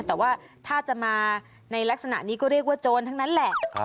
แต่ว่าถ้าจะมาในลักษณะนี้ก็เรียกว่าโจรทั้งนั้นแหละ